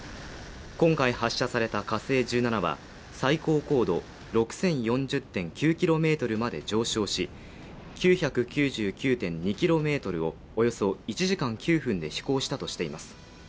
今回発射された火星１７は最高高度６０４０．９ｋｍまで上昇し９９９．２ｋｍをおよそ１時間９分で飛行したとしています